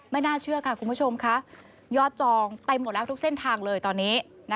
น่าเชื่อค่ะคุณผู้ชมค่ะยอดจองเต็มหมดแล้วทุกเส้นทางเลยตอนนี้